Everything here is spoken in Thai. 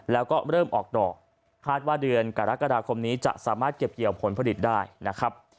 แล้วก็เริ่มออกดอกคาดว่าเดือนกรกฎาคมนี้จะสามารถเก็บเกี่ยวผลผลิตได้นะครับ